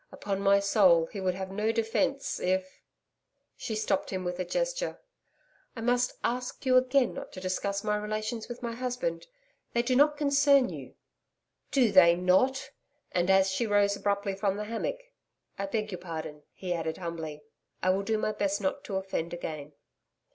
Upon my soul, he would have no defence if....' She stopped him with a gesture. 'I must ask you again not to discuss my relations with my husband; they do not concern you.' 'Do they not!' And as she rose abruptly from the hammock, 'I beg your pardon,' he added humbly, 'I will do my best not to offend again.'